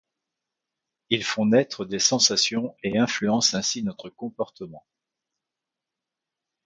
Ils font naître des sensations et influencent ainsi notre comportement.